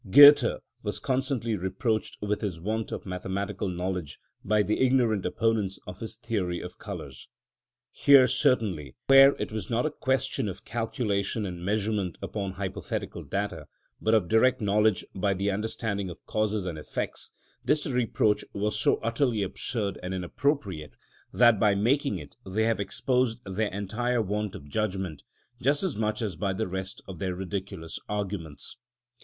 Goethe was constantly reproached with his want of mathematical knowledge by the ignorant opponents of his theory of colours. Here certainly, where it was not a question of calculation and measurement upon hypothetical data, but of direct knowledge by the understanding of causes and effects, this reproach was so utterly absurd and inappropriate, that by making it they have exposed their entire want of judgment, just as much as by the rest of their ridiculous arguments.